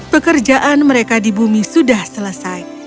pekerjaan mereka di bumi sudah selesai